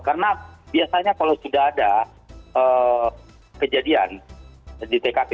karena biasanya kalau sudah ada kejadian di tkp